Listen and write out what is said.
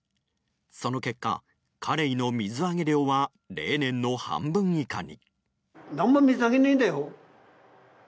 その結果、カレイの水揚げ量は例年の半分以下に。